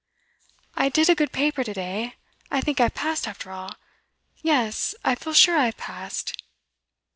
'I did a good paper to day I think I've passed after all yes, I feel sure I've passed!